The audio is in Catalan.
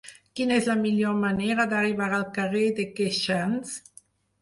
Quina és la millor manera d'arribar al carrer de Queixans?